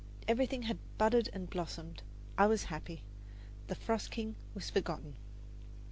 Everything had budded and blossomed. I was happy. "The Frost King" was forgotten.